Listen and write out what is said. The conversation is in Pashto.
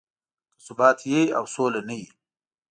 که ثبات وي او سوله نه وي.